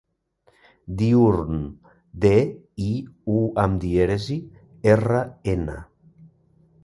Diürn: de, i, u amb dièresi, erra, ena.